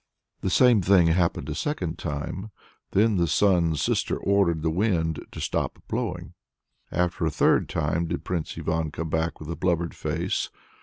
The same thing happened a second time. Then the Sun's Sister ordered the wind to stop blowing. Again a third time did Prince Ivan come back with a blubbered face.